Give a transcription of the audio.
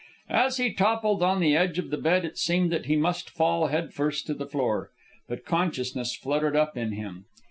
As he toppled on the edge of the bed it seemed that he must fall head first to the floor. But consciousness fluttered up in him.